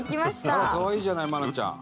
あら可愛いじゃない愛菜ちゃん。